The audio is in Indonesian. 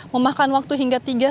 memakan waktu hingga tiga jam